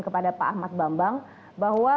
kepada pak ahmad bambang bahwa